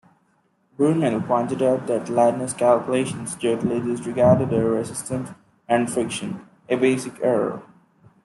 Brunel pointed out that Lardner's calculations totally disregarded air-resistance and friction, a basic error.